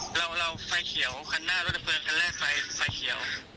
เราไฟเขียวคันหน้ารถดับเพลิงคันแรกไฟไฟเขียว